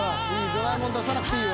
ドラえもん出さなくていいよ。